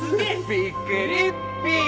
びっくりッピー！